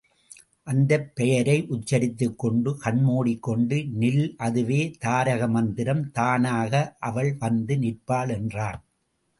அந்தப் பெயரை உச்சரித்துக் கொண்டு கண்மூடிக் கொண்டு நில் அதுவே தாரகமந்திரம் தானாக அவள் வந்து நிற்பாள் என்றான்.